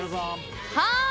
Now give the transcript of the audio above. はい！